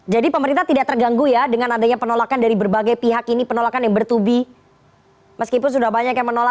pemerintah tidak terganggu ya dengan adanya penolakan dari berbagai pihak ini penolakan yang bertubi meskipun sudah banyak yang menolak